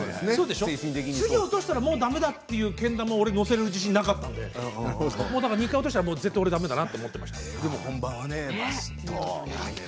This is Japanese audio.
次落としたらもうだめだというけん玉載せる自信がなかったので２回落としたらだめだと思っていました。